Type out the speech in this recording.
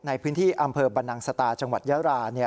ในพื้นที่อำเภอบรรนังสตาจังหวัดยารา